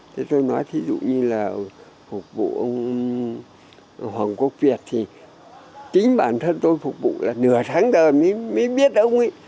thế tôi nói ví dụ như là phục vụ ông hoàng quốc việt thì chính bản thân tôi phục vụ là nửa tháng đời mới biết ông ấy